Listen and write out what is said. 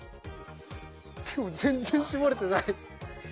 でも全然絞れてない。